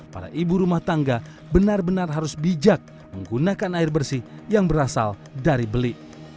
para ibu rumah tangga benar benar harus bijak menggunakan air bersih yang berasal dari beli